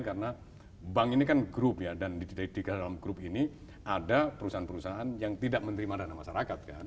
karena bank ini kan grup ya dan dididik dalam grup ini ada perusahaan perusahaan yang tidak menerima dana masyarakat